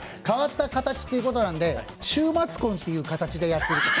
変わった形ということなので週末婚という形でやってる。